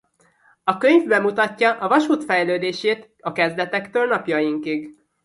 A könyv bemutatja a vasút fejlődését a kezdetektől napjainkig.